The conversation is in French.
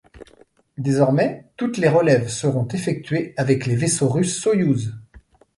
Désormais toutes les relèves seront effectuées avec les vaisseaux russes Soyouz.